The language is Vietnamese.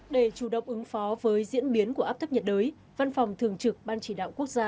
để chủ động ứng phó với diễn biến của áp thấp nhiệt đới văn phòng thường trực ban chỉ đạo quốc gia